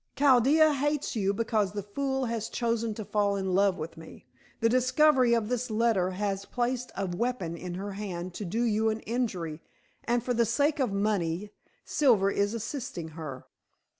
Chaldea hates you because the fool has chosen to fall in love with me. The discovery of this letter has placed a weapon in her hand to do you an injury, and for the sake of money Silver is assisting her.